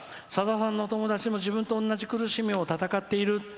さださんのお友達も自分と同じ苦しみを闘っている。